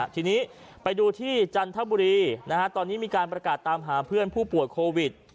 ทีนี้ไปดูที่จันทบุรีตอนนี้มีการประกาศตามหาเพื่อนผู้ป่วยโควิด